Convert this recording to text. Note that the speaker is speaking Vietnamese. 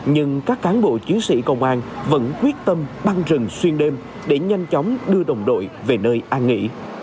nhưng các cán bộ chiến sĩ công an vẫn quyết tâm băng rừng xuyên đêm để nhanh chóng đưa đồng đội về nơi an nghỉ